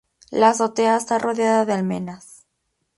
La azotea está rodeada de almenas.